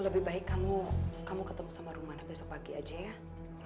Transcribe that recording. lebih baik kamu ketemu sama rumah besok pagi aja ya